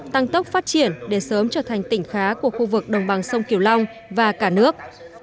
tăng tốc phát triển để sớm trở thành tỉnh khá của khu vực đồng bằng sông kiều long và cả nước